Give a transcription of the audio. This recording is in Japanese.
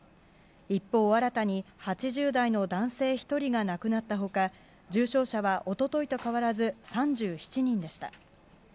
一方、新たに８０代の男性１人が亡くなった他重症者は一昨日と変わらず３７人でした。